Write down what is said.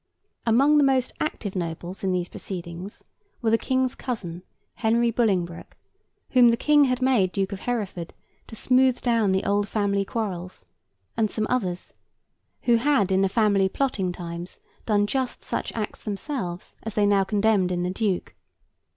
Among the most active nobles in these proceedings were the King's cousin, Henry Bolingbroke, whom the King had made Duke of Hereford to smooth down the old family quarrels, and some others: who had in the family plotting times done just such acts themselves as they now condemned in the duke.